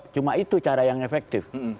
cuma itu cara yang efektif